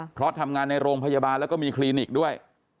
เพราะทำงานในโรงพยาบาลแล้วก็มีคลินิกด้วย